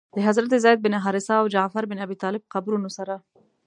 د حضرت زید بن حارثه او جعفر بن ابي طالب قبرونو سره.